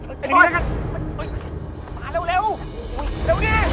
พลอยไอ้หยวกไอ้บอสไอ้กำลังอยู่ในอาตรายดีกว่า